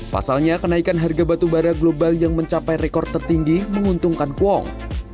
pasalnya kenaikan harga batubara global yang mencapai rekor tertinggi menguntungkan kuong